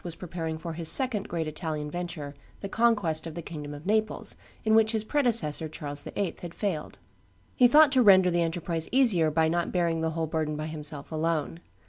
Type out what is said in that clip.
was preparing for his second great Italian venture, the conquest of the kingdom of Naples, in which his predecessor Charles VIII. had failed. He thought to render the enterprise easier by not bearing the whole burden by himself alone.